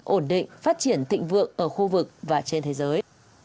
ổn định phát triển thịnh vượng ở khu vực và trên thế giới